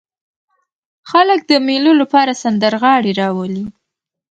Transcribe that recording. خلک د مېلو له پاره سندرغاړي راولي.